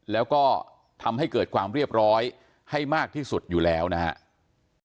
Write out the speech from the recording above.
แล้วก็ทำให้เกิดความเรียบร้อยให้มากที่สุดอยู่แล้วนะครับ